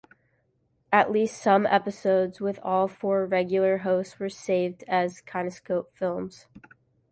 At least some episodes with all four regular hosts were saved as kinescope films.